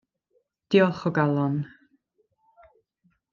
Diolch o galon.